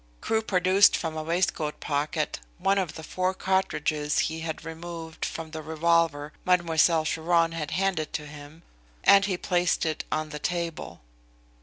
Crewe produced from a waistcoat pocket one of the four cartridges he had removed from the revolver Mademoiselle Chiron had handed to him and he placed it on the table.